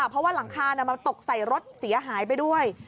เพราะว่าหลังคามันตกใส่รถเสียหายไปด้วย